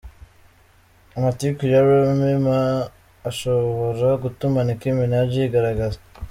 Amatiku ya Remy Ma ashobora gutuma Nicki Minaj yigaragaza.